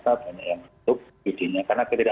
tapi saya berpikir